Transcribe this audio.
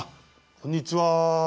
こんにちは。